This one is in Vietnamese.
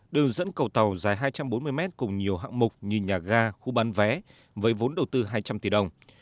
đường dẫn cầu tàu dài hai trăm bốn mươi mét cùng nhiều hạng mục như nhà ga khu bán vé với vốn đầu tư hai trăm linh tỷ đồng